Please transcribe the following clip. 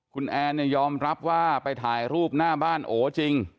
คุณแอนเนี่ยยอมรับว่าไปถ่ายรูปหน้าบ้านโอจริง